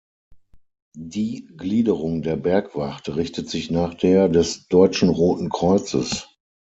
Die Gliederung der Bergwacht richtet sich nach der des Deutschen Roten Kreuzes.